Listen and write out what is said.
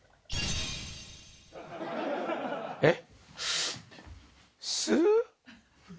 えっ⁉